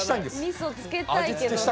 みそ付けたいけどなあ。